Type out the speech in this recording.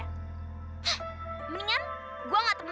hah mendingan gue gak teman sama lo daripada lo selalu manggil dia gembel